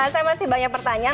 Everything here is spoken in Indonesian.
saya masih banyak pertanyaan